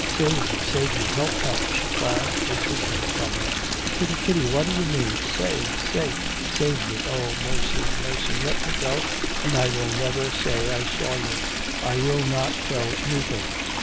'Save me, save me! help, help!' she cried, retreating from him. 'Kitty, Kitty, what do you mean? Say, say ' 'Save me; oh mercy, mercy! Let me go, and I will never say I saw you, I will not tell anything.